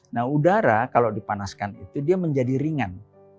nah udara kalau dipanaskan itu dia menjadi ringan